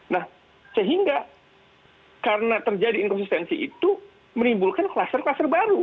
nah sehingga karena terjadi inkonsistensi itu menimbulkan kluster kluster baru